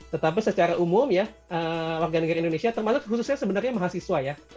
tetapi secara umum ya warga negara indonesia termasuk khususnya sebenarnya mahasiswa ya